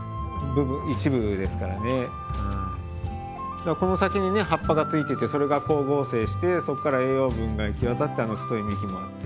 だってこの先にね葉っぱがついててそれが光合成してそこから栄養分が行き渡ってあの太い幹になって。